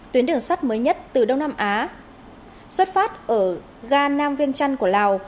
tuyến đường sắt mới nhất từ đông nam á xuất phát ở ga nam viên trăn của lào